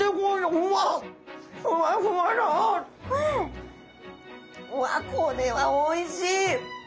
うわっこれはおいしい！